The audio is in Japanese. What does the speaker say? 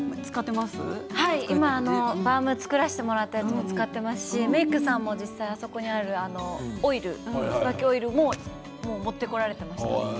バーム、作らせてもらっていつも使っていますしメークさんも実際あそこにあるオイルツバキオイル持ってこられていました。